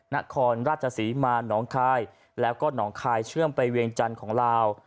นครราชศรีมาหนองคายแล้วก็หนองคายเชื่อมไปเวียงจันทร์ของลาว